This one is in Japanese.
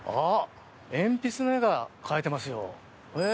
鉛筆の絵が描いていますよ。